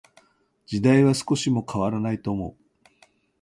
時代は少しも変らないと思う。